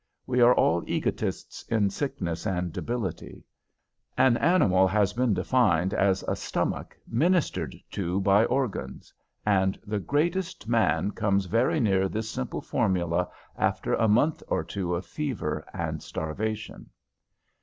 We are all egotists in sickness and debility. An animal has been defined as "a stomach ministered to by organs;" and the greatest man comes very near this simple formula after a month or two of fever and starvation.